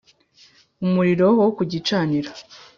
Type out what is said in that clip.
Umurimo wo ku gicaniro